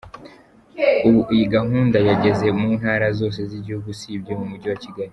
Ubu iyi gahunda yageze mu ntara zose z’igihugu usibye mu mujyi wa Kigali.